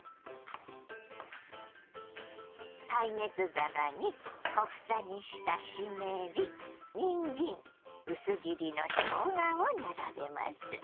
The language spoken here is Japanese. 耐熱皿に小房にしたしめじにんじん薄切りのしょうがを並べます。